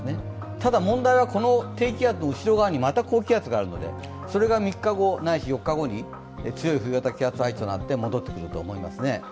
ただ問題はこの低気圧の後ろ側にまた高気圧があるので、それが３日後、ないし４日後に強い冬型の気圧配置になって戻ってくると思いますね。